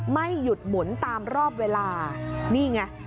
ไม่หยุดหมุนตามรอบเวลานี่ไง